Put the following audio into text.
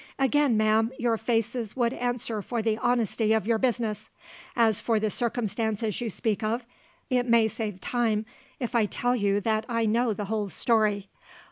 "Again, ma'am, your faces would answer for the honesty of your business. As for the circumstances you speak of, it may save time if I tell you that I know the whole story.